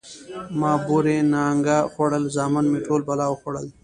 ـ ما بورې نانګه خوړل، زامن مې ټول بلا وخوړل.